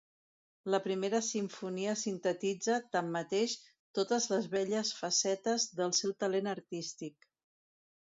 La primera simfonia sintetitza, tanmateix, totes les belles facetes del seu talent artístic.